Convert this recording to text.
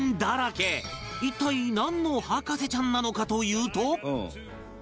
一体なんの博士ちゃんなのかというと